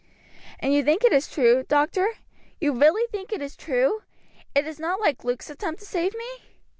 "And you think it is true, doctor, you really think it is true? It is not like Luke's attempt to save me?"